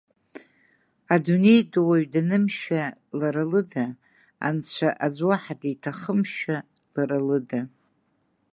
Адунеи ду уаҩ данымшәа, лара лыда, анцәа аӡә уаҳа диҭахымшәа, лара лыда…